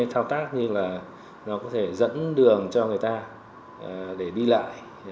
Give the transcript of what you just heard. nó có thể là một số các cái thao tác như là nó có thể dẫn đường cho người ta để đi lại